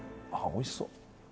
おいしそう。